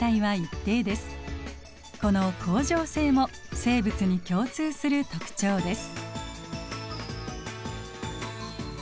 この恒常性も生物に共通する特徴です。